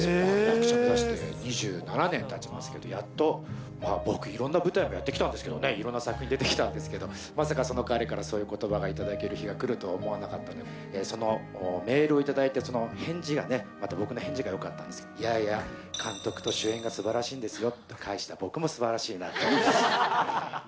役者目指して２７年たちますけど、やっと、僕、いろんな舞台もやってきたんですけれどもね、いろんな作品出てきたんですけど、まさかその彼からそういうことばが頂ける日が来るとは思わなかったので、そのメールを頂いて、その返事がね、また僕の返事がよかったんですけれども、いやいや、監督と主演がすばらしいんですよって返した僕もすばらしいなと。